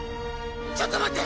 ちょっと待って！